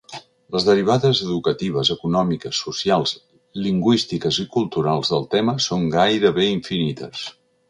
Les derivades educatives, econòmiques, socials, lingüístiques i culturals del tema són gairebé infinites.